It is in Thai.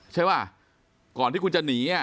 ใช่ป่ะก่อนที่คุณจะหนี